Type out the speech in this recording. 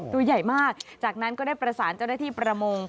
ตัวใหญ่มากจากนั้นก็ได้ประสานเจ้าหน้าที่ประมง